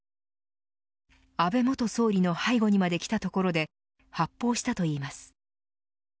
安倍元総理の背後にまで来たところで発砲したといいます。